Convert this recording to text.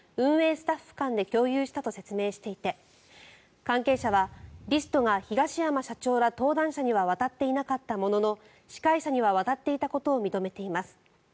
スタッフ間で共有したと説明していて関係者は、リストが東山社長ら登壇者には渡っていなかったものの司会者には渡っていたことを認めています。